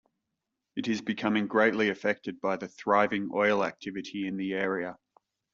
It is becoming greatly affected by the thriving oil activity in the area.